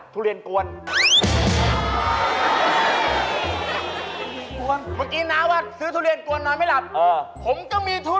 มีทุเรียนมากินแล้วนอนไม่หลับทุเรียนกวน